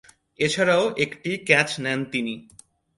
এছাড়াও একটি ক্যাচ নেন তিনি।